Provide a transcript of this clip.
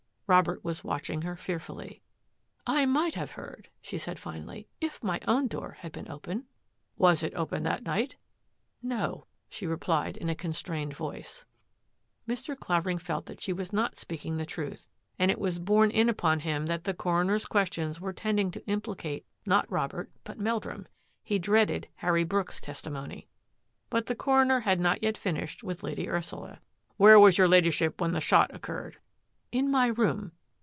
Robert was watching her fearfully. " I might have heard," she said finally, " if my own door had been open." " Was it open that night? "" No," she replied in a constrained voice. Mr. Clavering felt that she was not speaking the truth, and it was borne in upon hrm that the coroner's questions were tending to implicate not Robert, but Meldrum! He dreaded Harry Brooks's testimony. But the coroner had not yet finished with Lady Ursula. " Where was your Ladyship when the shot occurred? "" In my room."